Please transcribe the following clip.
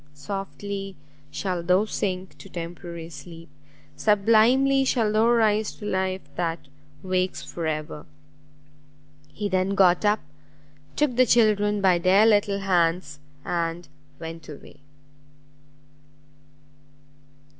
softly shalt thou sink to temporary sleep, sublimely shalt thou rise to life that wakes for ever!" He then got up, took the children by their little hands, and went away.